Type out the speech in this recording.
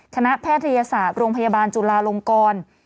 แพทยศาสตร์โรงพยาบาลจุลาลงกร